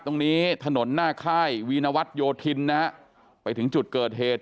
ตรงนี้ถนนหน้าค่ายวีนวัตโยธินนะฮะไปถึงจุดเกิดเหตุ